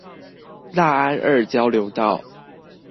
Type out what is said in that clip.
大安二交流道